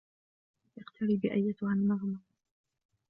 إقتربي أيتها النغمة.